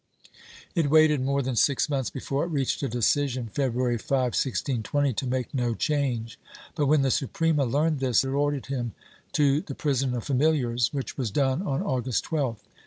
It waited more than six months before it reached a decision, February 5, 1620, to make no change but, when the Suprema learned this, it ordered him to the prison of familiars, which w^as done on August 12th.